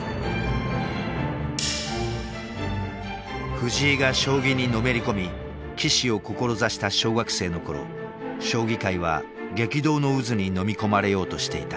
藤井が将棋にのめり込み棋士を志した小学生の頃将棋界は激動の渦にのみ込まれようとしていた。